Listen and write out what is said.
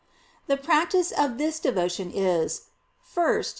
"* The practise of this devotion is: — 1st.